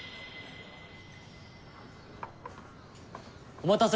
・お待たせ！